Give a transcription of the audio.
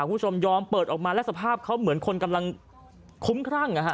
คุณผู้ชมยอมเปิดออกมาแล้วสภาพเขาเหมือนคนกำลังคุ้มครั่ง